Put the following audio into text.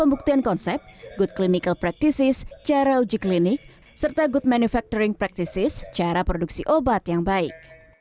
pembuktian konsep good clinical practices cara uji klinik serta good manufacturing practices cara produksi obat yang baik